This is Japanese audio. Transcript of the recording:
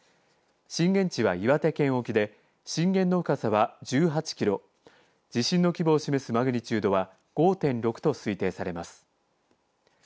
震源地は岩手県沖で震源の深さは１８キロ地震の規模を示すマグニチュードは５．６と推定されます。